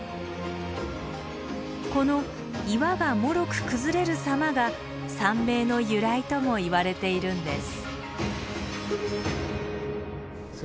この岩がもろく崩れる様が山名の由来ともいわれているんです。